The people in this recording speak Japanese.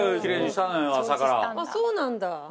あっそうなんだ。